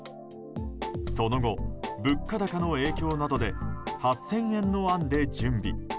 その後、物価高の影響などで８０００円の案で準備。